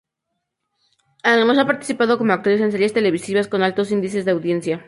Además ha participado como actriz en series televisivas con altos índices de audiencia.